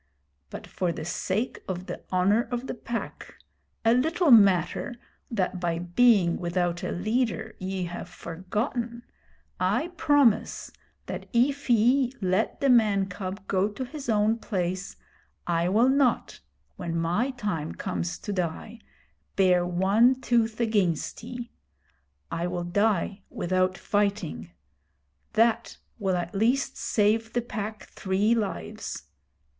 But for the sake of the Honour of the Pack, a little matter that by being without a leader ye have forgotten, I promise that if ye let the man cub go to his own place, I will not, when my time comes to die, bare one tooth against ye. I will die without fighting. That will at least save the Pack three lives.